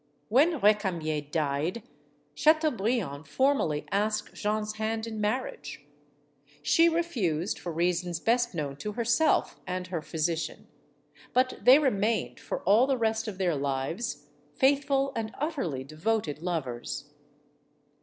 When Recamier died, Chateaubriand formally asked Jeanne's hand in marriage. She refused for reasons best known to herself and her physician. But they re mained, for all the rest of their lives, faithful and utterly devoted lovers.